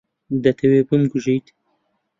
دەتەوێت بمکوژیت؟